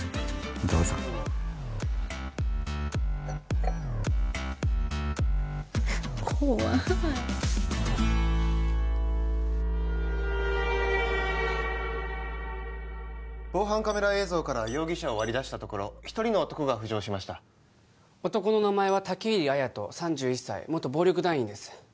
どうぞ怖い防犯カメラ映像から容疑者を割り出したところ一人の男が浮上しました男の名前は武入綾人３１歳元暴力団員です